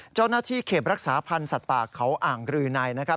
เจ้าหน้าที่เขตรักษาพันธ์สัตว์ป่าเขาอ่างรือในนะครับ